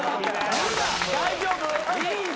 大丈夫？